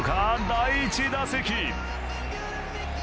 第１打席。